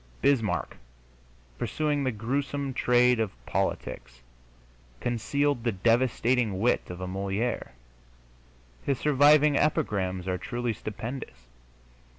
Bismarck, pursuing the gruesome trade of politics, concealed the devastating wit of a Molière; his surviving epigrams are truly stupendous.